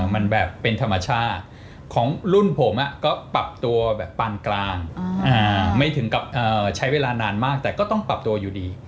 มันแบบเป็นธรรมชาติของรุ่นผมก็ปรับตัวแบบปานกลางไม่ถึงกับใช้เวลานานมากแต่ก็ต้องปรับตัวอยู่ดี